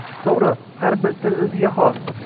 Toʻgʻri, har bir til oʻziga xos